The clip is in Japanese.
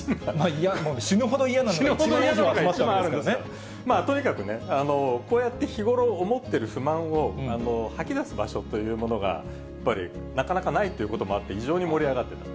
死ぬほど嫌なのが１万以上もとにかくね、こうやって日ごろ、思っている不満を吐き出す場所というものがやっぱりなかなかないということもあって、非常に盛り上がってる。